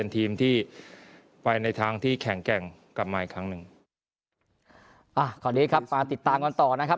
ติดตามก่อนต่อนะครับ